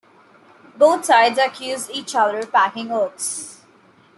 Both sides accused each other "packing votes".